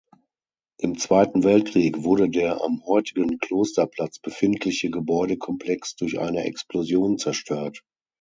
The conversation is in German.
Im Zweiten Weltkrieg wurde der am heutigen "Klosterplatz" befindliche Gebäudekomplex durch eine Explosion zerstört.